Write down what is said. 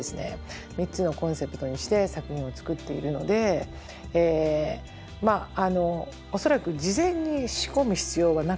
３つのコンセプトにして作品を作っているので恐らく事前に仕込む必要はなく。